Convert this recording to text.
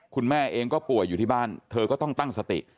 คุณแม่เองก็ป่วยอยู่ที่บ้านเธอก็ต้องตั้งสติ